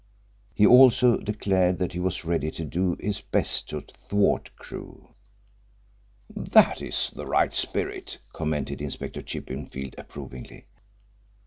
He also declared that he was ready to do his best to thwart Crewe. "That is the right spirit," commented Inspector Chippenfield approvingly.